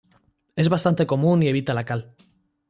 Es bastante común y evita la cal.